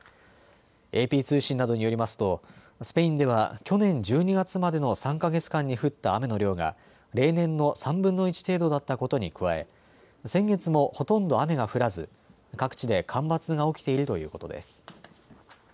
ＡＰ通信などによりますとスペインでは去年１２月までの３か月間に降った雨の量が例年の３分の１程度だったことに加え先月もほとんど雨が降らず各地で干ばつが起きているということです。